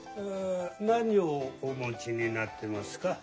何をお持ちになってますか？